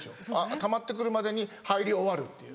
たまって来るまでに入り終わるっていう。